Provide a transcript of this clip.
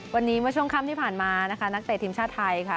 วันนี้เมื่อช่วงค่ำที่ผ่านมานะคะนักเตะทีมชาติไทยค่ะ